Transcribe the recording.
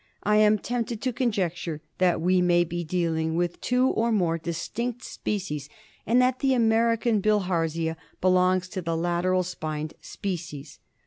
I am tempted to conjecture that we may be dealing with two or more distinct species, and that the American Bilharzia belongs to the lateral spined species.